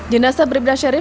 jenasa bribna syarif